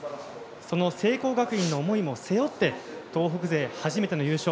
その聖光学院の思いも背負って東北勢初めての優勝